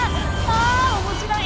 あおもしろい！